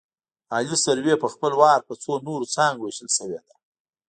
عالي سروې په خپل وار په څو نورو څانګو ویشل شوې ده